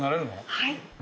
はい。